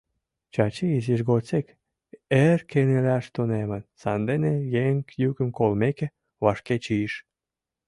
Чачи изиж годсек эр кынелаш тунемын, сандене еҥ йӱкым колмеке, вашке чийыш.